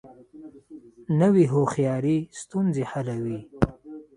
نوې هوښیاري ستونزې حلوي